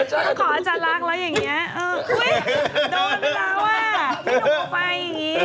อุ๊ยโดนเวลาอ่ะไม่ต้องออกไปอย่างนี้